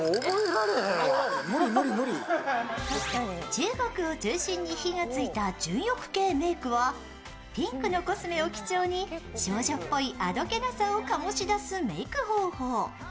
中国を中心に火がついた純欲系メークはピンクのコスメを基調に少女っぽいあどけなさを醸し出すメーク方法。